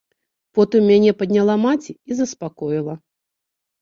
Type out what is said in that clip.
Потым мяне падняла маці і заспакоіла.